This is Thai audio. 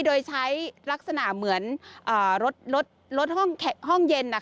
โดยใช้ลักษณะเหมือนลดห้องเย็น